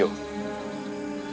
tau dari mana